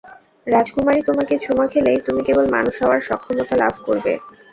রাজকুমারী তোমাকে চুমো খেলেই তুমি কেবল মানুষ হওয়ার সক্ষমতা লাভ করবে।